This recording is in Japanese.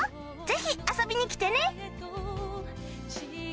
ぜひ遊びに来てね